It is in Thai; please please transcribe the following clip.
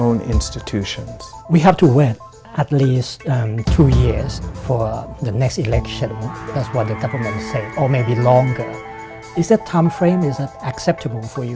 วันที่๒และ๓ธันวาคมทางไทรัตทีวี